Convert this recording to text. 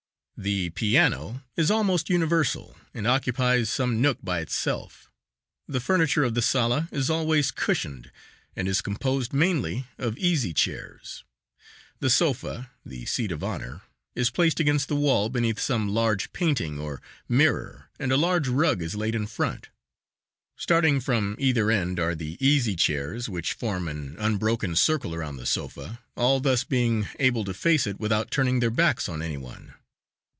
The piano is almost universal and occupies some nook by itself; the furniture for the sala is always cushioned and is composed mainly of easy chairs; the sofa the seat of honor is placed against the wall beneath some large painting or mirror and a large rug is laid in front. Starting from either end are the easy chairs which form an unbroken circle around the sofa, all thus being able to face it without turning their backs on any one.